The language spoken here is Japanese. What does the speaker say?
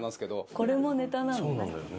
これもネタなの？